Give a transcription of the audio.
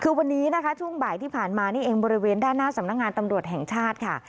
คือวันนี้นะคะช่วงบ่ายที่ผ่านมานี่เองบริเวณด้านหน้าสำนักงานตำรวจแห่งชาติค่ะ